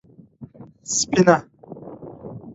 _سفينه؟